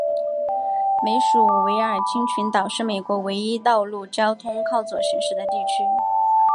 美属维尔京群岛是美国唯一道路交通靠左行驶的地区。